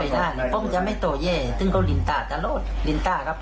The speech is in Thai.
ถึงเยอะมากว่ามันไม่กัน